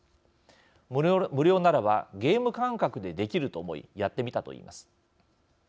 無料ならばゲーム感覚でできると思いやってみたといいます。